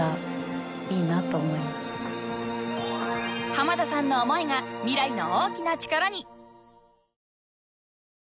［浜田さんの思いが未来の大きな力に］